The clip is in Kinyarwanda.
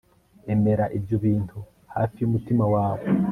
emera ibyo bintu hafi yumutima wawe